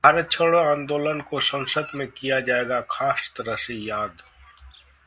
'भारत छोड़ो आंदोलन' को संसद में किया जाएगा खास तरह से याद